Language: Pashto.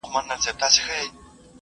دغه سړی پرون ډېر صابر ښکارېدی.